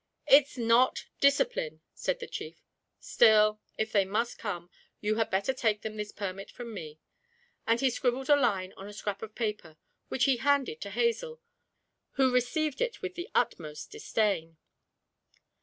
'It's not discipline,' said the chief; 'still, if they must come, you had better take them this permit from me.' And he scribbled a line on a scrap of paper, which he handed to Hazel, who received it with the utmost disdain.